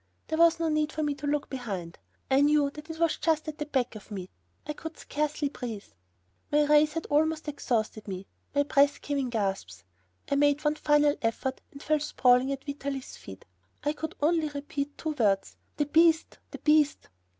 There was no need for me to look behind, I knew that it was just at the back of me. I could scarcely breathe. My race had almost exhausted me; my breath came in gasps. I made one final effort and fell sprawling at Vitalis' feet. I could only repeat two words: "The beast! the beast!"